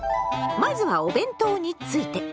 まずはお弁当について。